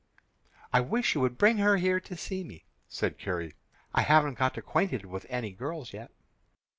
"I wish you would bring her here to see me," said Carrie. "I haven't got acquainted with any girls yet."